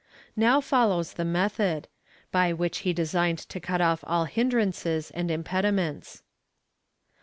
Now follows the method — by which he designed to cut off all hinderances and impediments.